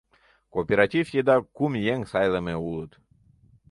Кооператив еда кум еҥ сайлыме улыт.